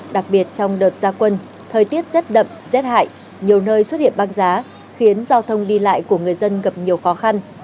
đặc biệt trong đợt gia quân thời tiết rất đậm rét hại nhiều nơi xuất hiện băng giá khiến giao thông đi lại của người dân gặp nhiều khó khăn